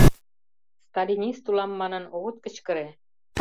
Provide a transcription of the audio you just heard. Сталинист улам манын, огыт кычкыре.